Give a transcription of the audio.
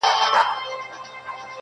« لکه شمع په خندا کي مي ژړا ده -